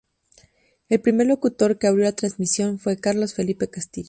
El primer locutor que abrió la transmisión fue Carlos Felipe Castillo.